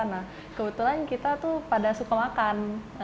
nah kebetulan kita tuh pada suka makan